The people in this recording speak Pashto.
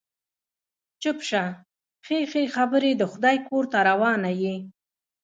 چپ شه، ښې ښې خبرې د خدای کور ته روانه يې.